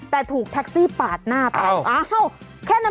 มึงอ่ะระวังไว้